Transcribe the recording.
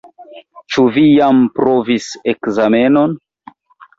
Ĉu vi jam provis ekzamenon?